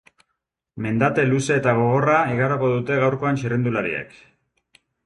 Mendate luze eta gogorra igaroko dute gaurkoan txirrindulariek.